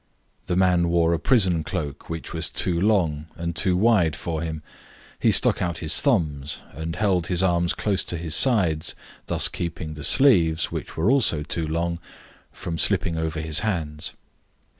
The man wore a prison cloak, which was too long and too wide for him. He stuck out his thumbs, and held his arms close to his sides, thus keeping the sleeves, which were also too long, from slipping over his hands.